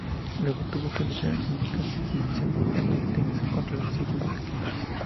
Luego tuvo que luchar incesantemente contra los hijos de aquel.